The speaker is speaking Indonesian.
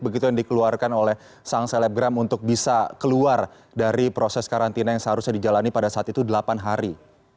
begitu yang dikeluarkan oleh sang selebgram untuk bisa keluar dari proses karantina yang seharusnya dijalani pada saat itu delapan hari